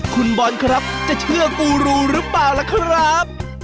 คุณบอลครับจะเชื่อกูรูหรือเปล่าล่ะครับ